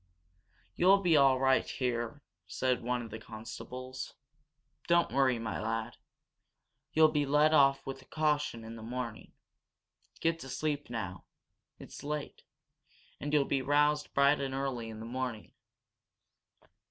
"You'll be all right here," said one of the constables. "Don't worry, my lad. You'll be let off with a caution in the morning. Get to sleep now it's late, and you'll be roused bright and early in the morning."